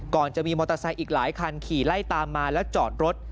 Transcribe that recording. ก่อนจะมีมอเตอร์ไซค์อีกหลายคันขี่ไล่ตามมาแล้วจอดรถ